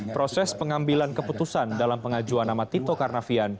proses pengambilan keputusan dalam pengajuan nama tito karnavian